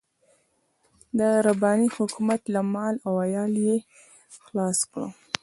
د رباني حکومت له مال او عيال يې خلاص کړو.